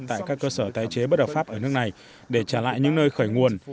tại các cơ sở tái chế bất hợp pháp ở nước này để trả lại những nơi khởi nguồn